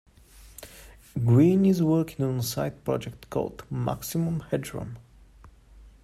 Green is working on a side project called Maximum Hedrum.